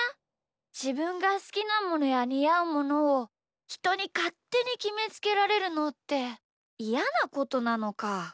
じぶんがすきなものやにあうものをひとにかってにきめつけられるのっていやなことなのか。